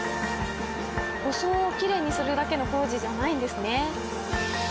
装をきれいにするだけの工事じゃないんですね。